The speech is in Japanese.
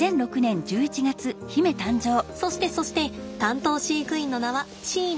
そしてそして担当飼育員の名は椎名。